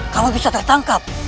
kamu bisa tertangkap